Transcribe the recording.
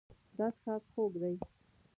دا څښاک خوږ دی.